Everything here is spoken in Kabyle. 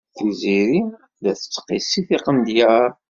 Tiziri la tettqissi tiqendyar.